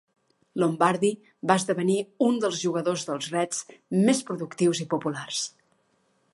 Lombardi va esdevenir un dels jugadors dels Reds més productius i populars.